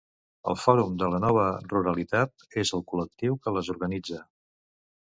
El Fòrum de la Nova Ruralitat és el col·lectiu que les organitza.